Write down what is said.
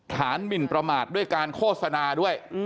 หมินประมาทด้วยการโฆษณาด้วย